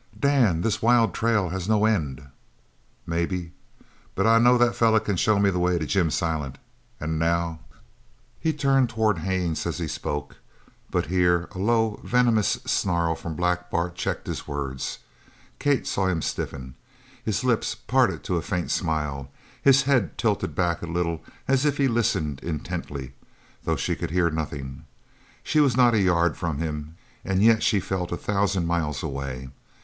"Dan, this wild trail has no end." "Maybe, but I know that feller can show me the way to Jim Silent, an' now " He turned towards Haines as he spoke, but here a low, venomous snarl from Black Bart checked his words. Kate saw him stiffen his lips parted to a faint smile his head tilted back a little as if he listened intently, though she could hear nothing. She was not a yard from him, and yet she felt a thousand miles away.